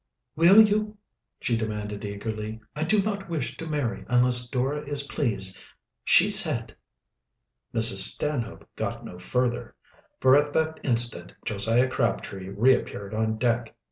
"Will you?" she demanded eagerly. "I do not wish to marry unless Dora is pleased. She said " Mrs. Stanhope got no further, for at that instant Josiah Crabtree reappeared on deck.